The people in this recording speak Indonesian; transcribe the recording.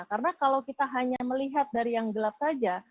karena kalau kita hanya melihat dari yang gelap saja